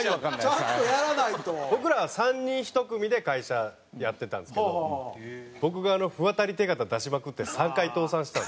僕らは３人１組で会社やってたんですけど僕が不渡り手形出しまくって３回倒産したんです。